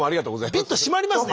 ビッと締まりますね